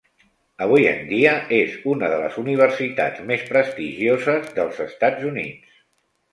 Avui en dia és una de les universitats més prestigioses dels Estats Units.